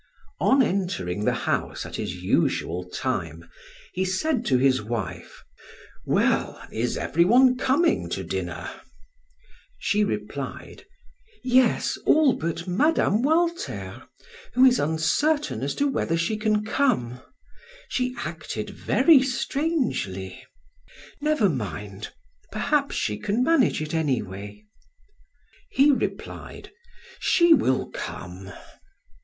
On entering the house at his usual time, he said to his wife: "Well, is everyone coming to dinner?" She replied: "Yes, all but Mme. Walter, who is uncertain as to whether she can come. She acted very strangely. Never mind, perhaps she can manage it anyway." He replied: "She will come."